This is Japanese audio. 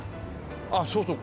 あっそうそう